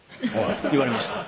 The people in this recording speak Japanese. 言われました